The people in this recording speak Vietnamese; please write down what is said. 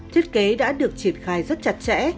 thiết kế đã được triển khai rất chặt chẽ